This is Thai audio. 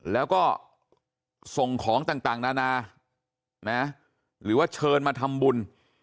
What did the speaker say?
แล้วก็ส่งของต่างนานาหรือว่าเชิญมาทำบุญ